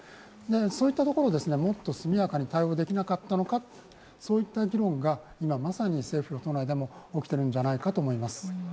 そういったところをもっと速やかに対応できなかったのかといった議論が今まさに政府・与党内でも起きてるんじゃないかと思います。